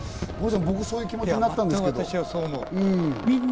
僕はそういう気持ちになった、五郎さん。